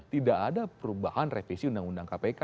tidak ada perubahan revisi undang undang kpk